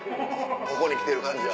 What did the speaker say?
ここにきてる感じは。